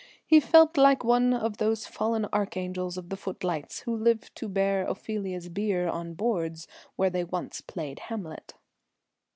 He felt like one of those fallen archangels of the footlights who live to bear Ophelia's bier on boards where they once played Hamlet.